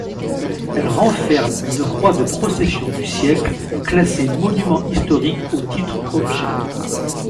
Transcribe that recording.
Elle renferme une croix de procession du siècle, classée monument historique au titre objet.